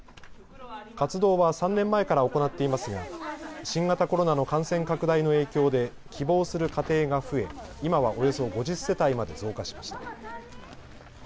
活動は３年前から行っていますが新型コロナの感染拡大の影響で希望する家庭が増え今はおよそ５０世帯まで増加しました。